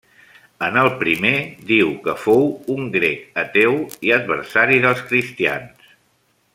En el primer diu que fou un grec ateu i adversari dels cristians.